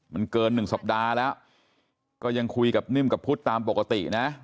มันเกิน๑สัปดาห์แล้วก็ยังคุยกับนิ่มกับพุทธตามปกตินะ